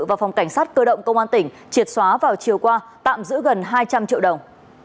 và phòng cảnh sát cơ động công an tỉnh triệt xóa vào chiều qua tạm giữ gần hai trăm linh triệu đồng